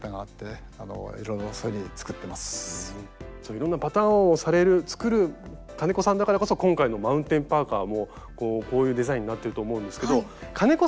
いろんなパターンをされる作る金子さんだからこそ今回のマウンテンパーカーもこういうデザインになってると思うんですけど金子